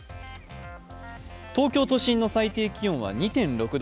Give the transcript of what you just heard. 東京都心の最低気温は２．６度。